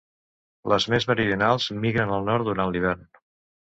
Les més meridionals migren al nord durant l'hivern.